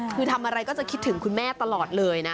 คือทำอะไรก็จะคิดถึงคุณแม่ตลอดเลยนะ